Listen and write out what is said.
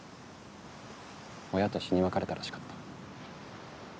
親と死に別れたらしかった。